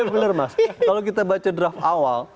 kalau kita baca draft awal